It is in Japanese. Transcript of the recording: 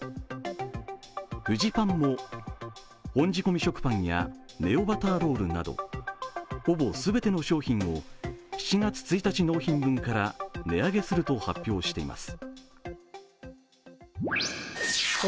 フジパンも本仕込食パンやネオバターロールなどほぼ全ての商品を７月１日納品分から値上げすると発表しています。